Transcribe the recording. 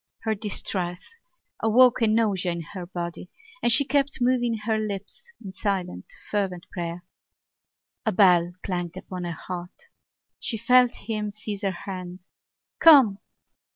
Her distress awoke a nausea in her body and she kept moving her lips in silent fervent prayer. A bell clanged upon her heart. She felt him seize her hand: "Come!"